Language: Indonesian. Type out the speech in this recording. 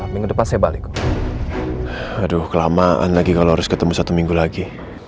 minggu depan saya balik aduh kelamaan lagi kalau harus ketemu satu minggu lagi